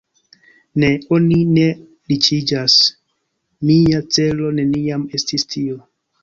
Ne, oni ne riĉiĝas … Mia celo neniam estis tio.